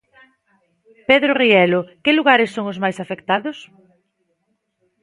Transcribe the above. Pedro Rielo, que lugares son os máis afectados?